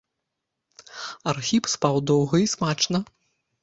Архіп спаў доўга і смачна.